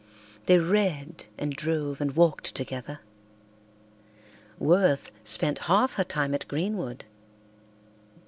They read and drove and walked together. Worth spent half her time at Greenwood.